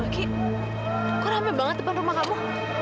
astaga kok ramen banget depan rumah kamu